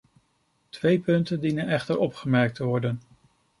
Twee punten dienen echter opgemerkt te worden.